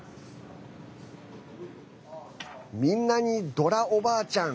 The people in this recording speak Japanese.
みんなに、ドラおばあちゃん